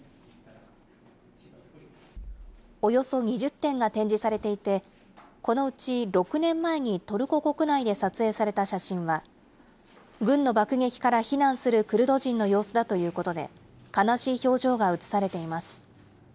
およそ２０点が展示されていて、このうち６年前にトルコ国内で撮影された写真は、軍の爆撃から避難するクルド人の様子だということで、悲しい表情が写されています。